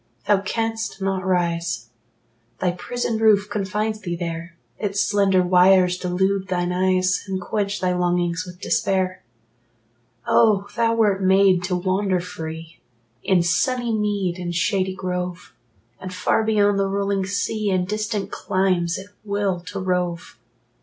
Thou canst not rise: Thy prison roof confines thee there; Its slender wires delude thine eyes, And quench thy longings with despair. Oh, thou wert made to wander free In sunny mead and shady grove, And far beyond the rolling sea, In distant climes, at will to rove!